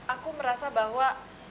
aku merasa bahwa